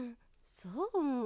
そう。